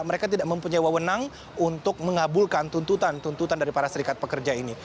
mereka tidak mempunyai wawenang untuk mengabulkan tuntutan tuntutan dari para serikat pekerja ini